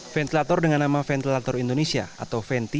ventilator dengan nama ventilator indonesia atau venti